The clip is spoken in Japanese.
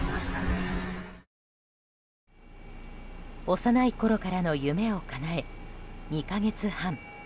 幼いころからの夢をかなえ２か月半。